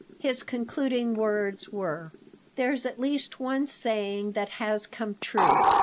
His concluding words were: "There's at least one saying that has come true.